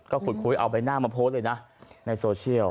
ก็ขุดคุยเอาใบหน้ามาโพสต์เลยนะในโซเชียล